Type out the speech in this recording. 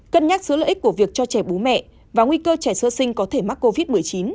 cân nhắc giữa lợi ích của việc cho trẻ bú mẹ và nguy cơ trẻ sơ sinh có thể mắc covid một mươi chín